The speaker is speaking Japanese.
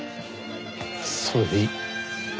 それでいい。